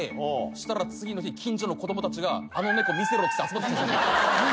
そしたら次の日近所の子供たちが「あの猫見せろ」っつって集まってきた。